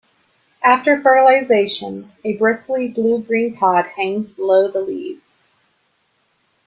After fertilization, a bristly blue-green pod hangs below the leaves.